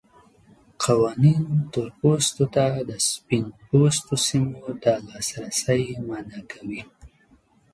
قوانین تور پوستو ته د سپین پوستو سیمو ته لاسرسی منع کوي.